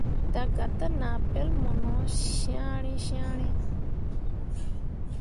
Daga te nah pel mu no cyãhrii cyãhrii.